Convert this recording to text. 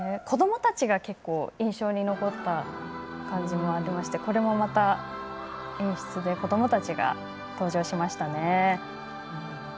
子どもたちが結構印象に残った感じもありましてこれもまた、演出で子どもたちが登場しましたね。